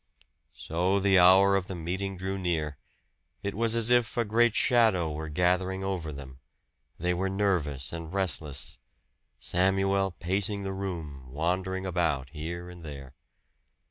So the hour of the meeting drew near. It was as if a great shadow were gathering over them. They were nervous and restless Samuel pacing the room, wandering about here and there.